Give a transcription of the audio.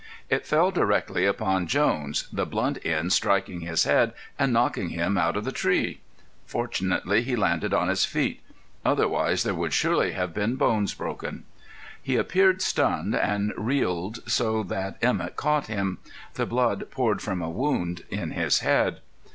It fell directly upon Jones, the blunt end striking his head and knocking him out of the tree. Fortunately, he landed on his feet; otherwise there would surely have been bones broken. He appeared stunned, and reeled so that Emett caught him. The blood poured from a wound in his head.